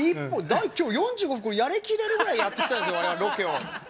今日４５分やりきれるくらいやってきたんですよ、我々ロケを。